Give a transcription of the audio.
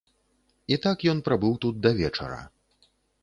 І так ён прабыў тут да вечара.